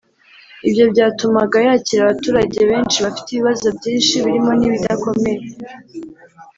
Ibyo byatumaga yakira abaturage benshi bafite ibibazo byinshi birimo n’ibidakomeye